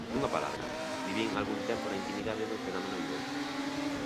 Nunha palabra, vivín algún tempo na intimidade dun fenómeno vivente.